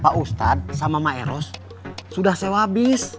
pak ustadz sama ma'eros sudah sewa abis